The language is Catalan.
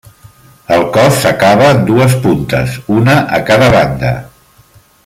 El cos s'acaba en dues puntes, una a cada banda.